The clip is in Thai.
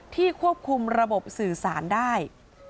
ควบคุมระบบสื่อสารได้